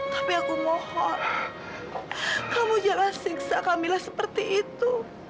tapi aku mohon kamu jangan siksa camilla seperti itu